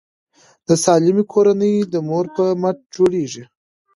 د سالمې کورنۍ د مور په مټه جوړیږي.